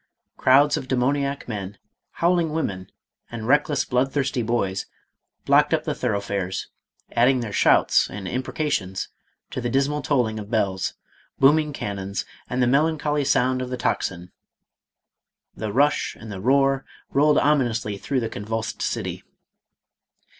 Crowds of demoniac men, howling women and reckless, blood thirsty boys, blocked up the thoroughfares, adding their shouts and imprecations to the dismal tolling of bells, booming cannons, and the melancholy sound of the tocsin. The rush and the roar, rolled ominously through the convulsed city.